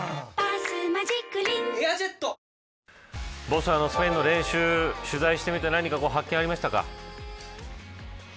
スペインの練習取材してみて何か発見ありましたか。